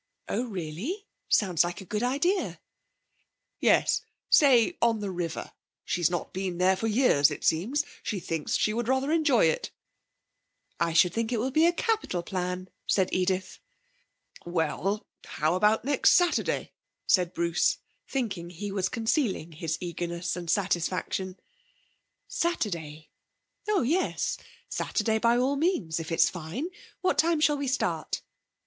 'Oh, really? Sounds a good idea.' 'Yes. Say, on the river. She's not been there for years it seems. She thinks she would rather enjoy it.' 'I should think it would be a capital plan,' said Edith. 'Well, how about next Saturday?' said Bruce, thinking he was concealing his eagerness and satisfaction. 'Saturday? Oh yes, certainly. Saturday, by all means, if it's fine. What time shall we start?'